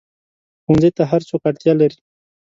ښوونځی ته هر څوک اړتیا لري